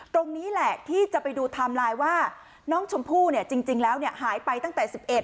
ตรงนี้แหละที่จะไปดูไทม์ไลน์ว่าน้องชมพู่เนี่ยจริงแล้วหายไปตั้งแต่๑๑